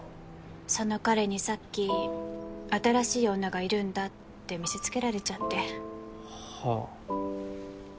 その彼にさっき新しい女がいるんだって見せつけられちゃってはあ